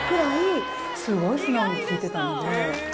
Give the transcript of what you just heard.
すごい素直に聞いてたので。